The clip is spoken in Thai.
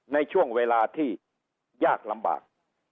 ในช่วงเวลาที่ยากลำบาก